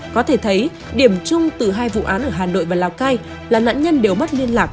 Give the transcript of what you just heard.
có thể thấy điểm chung từ hai vụ án ở hà nội và lào cai là nạn nhân đều mất liên lạc